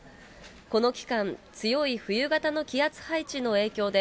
この期間、強い冬型の気圧配置の影響で、